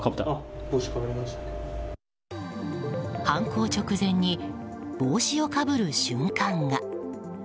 犯行直前に帽子をかぶる瞬間が。